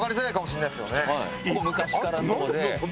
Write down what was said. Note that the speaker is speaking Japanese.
ここ昔からので。